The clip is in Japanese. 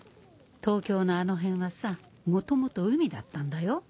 東京のあの辺はさ元々海だったんだよ。